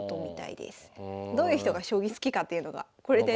どういう人が将棋好きかっていうのがこれで。